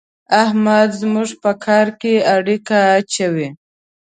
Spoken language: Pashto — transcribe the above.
احمد زموږ په کار کې اړېکی اچوي.